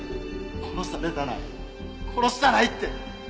殺されたない殺したないって！